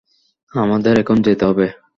আমাদের এখন যেতে হবে।